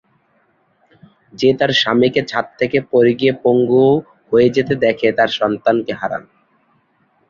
যে তার স্বামীকে ছাদ থেকে পড়ে গিয়ে পঙ্গু হয়ে যেতে দেখে তার সন্তানকে হারান।